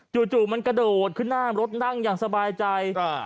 จู่มันกระโดดขึ้นหน้ารถนั่งอย่างสบายใจ